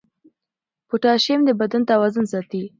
پوټاشیم د بدن توازن ساتي.